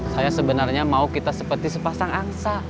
saya sebenarnya mau kita seperti sepasang angsa